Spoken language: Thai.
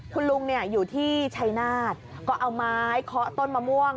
คุณลุงเนี่ยอยู่ที่ชัยนาธก็เอาไม้เคาะต้นมะม่วง